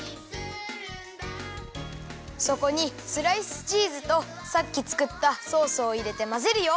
そこにスライスチーズとさっきつくったソースをいれてまぜるよ。